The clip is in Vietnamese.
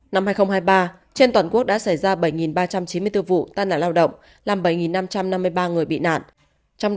năm hai nghìn hai mươi ba trên toàn quốc đã xảy ra bảy ba trăm chín mươi bốn vụ tai nạn lao động làm bảy năm trăm năm mươi ba người bị nạn